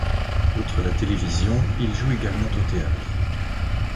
Outre la télévision, il joue également au théâtre.